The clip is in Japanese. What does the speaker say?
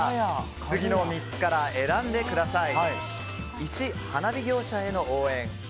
次の３つから選んでください。